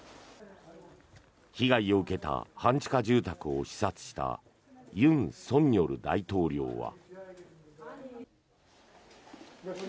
被害を受けた半地下住宅を視察した尹錫悦大統領は。